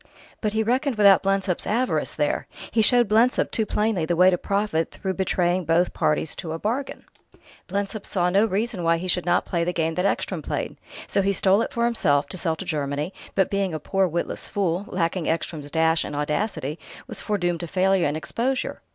But he reckoned without Blensop's avarice, there; he showed Blensop too plainly the way to profit through betraying both parties to a bargain; Blensop saw no reason why he should not play the game that Ekstrom played. So he stole it for himself, to sell to Germany, but being a poor, witless fool, lacking Ekstrom's dash and audacity, was foredoomed to failure and exposure."